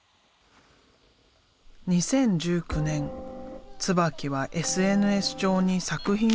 ２０１９年椿はＳＮＳ上に作品を発表。